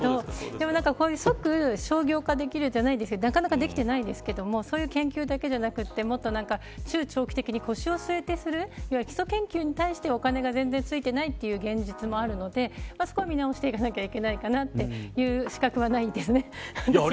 でもこういう、即商業化できるじゃないですけどなかなかできてないですけどこういう研究、向き合って中長期的に腰を据えてする基礎研究に対してお金が全然ついていない現実もあるのでそこは見直していかなきゃいけないんですねという言う資格はないですよね。